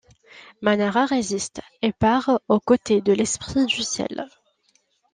Mañara résiste, et part aux côtés de l'Esprit du Ciel.